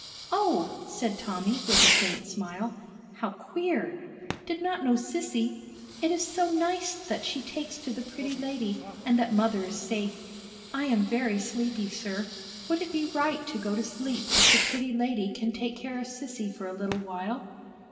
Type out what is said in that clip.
"O!" said Tommy, with a faint smile. "How queer! Did not know Sissy! It is so nice that she takes to the pretty lady, and that mother is safe. I am very sleepy, sir. Would it be right to go to sleep if the pretty lady can take care of Sissy for a little while?"